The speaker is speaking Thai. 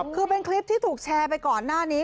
คือเป็นคลิปที่ถูกแชร์ไปก่อนหน้านี้